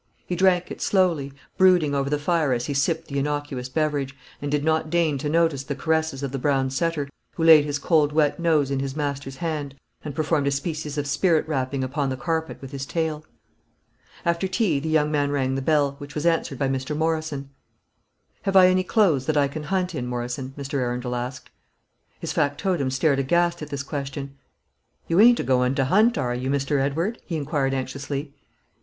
He drank it slowly, brooding over the fire as he sipped the innocuous beverage, and did not deign to notice the caresses of the brown setter, who laid his cold wet nose in his master's hand, and performed a species of spirit rapping upon the carpet with his tail. After tea the young man rang the bell, which was answered by Mr. Morrison. "Have I any clothes that I can hunt in, Morrison?" Mr. Arundel asked. His factotum stared aghast at this question. "You ain't a goin' to 'unt, are you, Mr. Edward?" he inquired, anxiously.